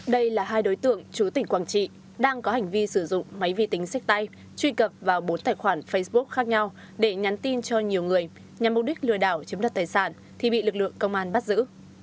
đây là hai đối tượng chú tỉnh quảng trị đang có hành vi sử dụng máy vi tính xếp tay truy cập vào bốn tài khoản facebook khác nhau để nhắn tin cho nhiều người nhằm mục đích lừa đảo chiếm đặt tài sản thì bị lực lượng công an bắt giữ